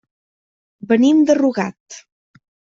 Venim de Rugat.